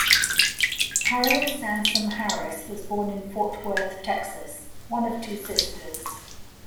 Harriet Sansom Harris was born in Fort Worth, Texas, one of two sisters.